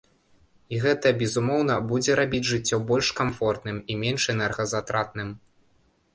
І гэта, безумоўна, будзе рабіць жыццё больш камфортным і менш энергазатратным.